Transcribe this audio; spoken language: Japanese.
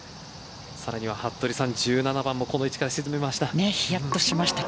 さらには１７番もこの位置から沈めました。